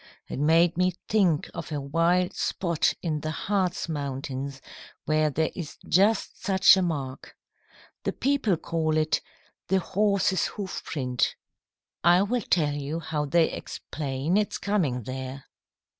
It made me think of a wild spot in the Hartz Mountains where there is just such a mark. The people call it 'The Horse's Hoof print.' I will tell you how they explain its coming there.